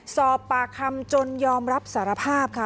สอบปากคำจนยอมรับสารภาพค่ะ